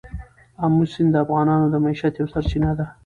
آمو سیند د افغانانو د معیشت یوه سرچینه ده.